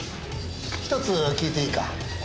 １つ聞いていいか？